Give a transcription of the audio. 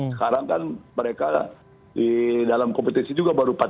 sekarang kan mereka di dalam kompetisi juga baru empat